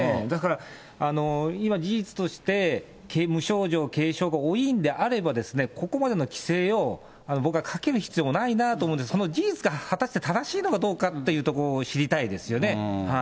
だから今、事実として無症状、軽症が多いんであれば、ここまでの規制を僕はかける必要はないなと思うんです、その事実が果たして正しいのかどうかというところを知りたいですよね。